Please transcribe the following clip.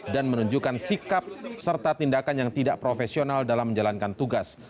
menunjukkan sikap serta tindakan yang tidak profesional dalam menjalankan tugas